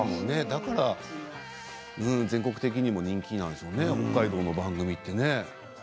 だから全国的にも人気なんでしょうね北海道の番組って。